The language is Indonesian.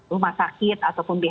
rumah sakit ataupun